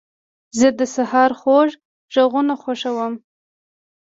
زه د سهار خوږ غږونه خوښوم.